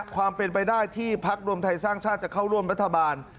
ความเป็นไปได้ที่พักรวมไทยสร้างชาติจะเข้าร่วมรัฐบาล